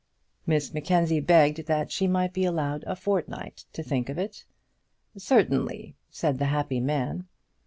Miss Mackenzie begged that she might be allowed a fortnight to think of it. "Certainly," said the happy man.